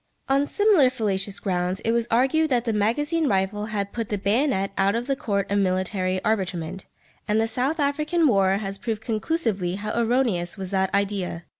On similar fallacious grounds it was argued that the magazine rifle had put the bayonet out of the court of military arbitrament, and the South African war has proved conclusively how erroneous was that idea.